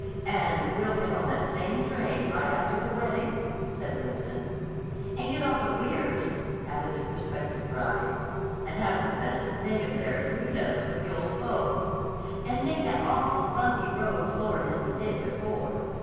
"And we'll get on that same train right after the wedding," said Remsen. "And get off at Weirs," added the prospective bride. "And have the festive native there to meet us with 'th' ole boat.'" "And take that awful, bumpy road slower than we did before."